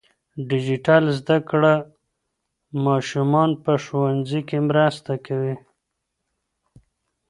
ډیجیټل زده کړه ماشومان په ښوونځي کې مرسته کوي.